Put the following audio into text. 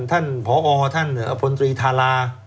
ท่านผอท่านพลตรีธารา